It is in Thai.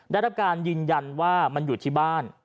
ได้รับการยืนยันว่ามันอยู่ที่บ้าน